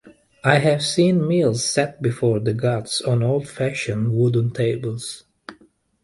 I have seen meals set before the gods on old-fashioned wooden tables.